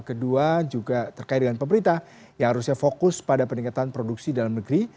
kedua juga terkait dengan pemerintah yang harusnya fokus pada peningkatan produksi dalam negeri